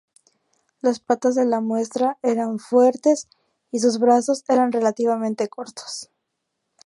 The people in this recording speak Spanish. Las patas de la muestra eran fuertes y sus brazos eran relativamente cortos.